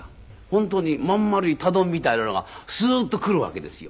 本当にまん丸い炭団みたいなのがスーッと来るわけですよ。